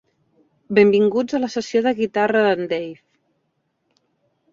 Benvinguts a la sessió de guitarra d'en Dave.